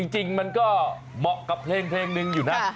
จริงมันก็เหมาะกับเพลงนึงอยู่นะ